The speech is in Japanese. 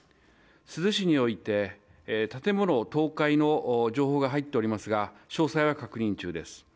珠洲市において、建物倒壊の情報が入っておりますが詳細は確認中です。